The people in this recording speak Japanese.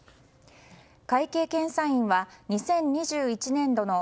会計検査院は２０２１年度の